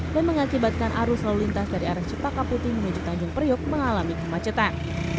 dan mengakibatkan arus lalu lintas dari arah cepaka putih menuju tanjung periuk mengalami kemacetan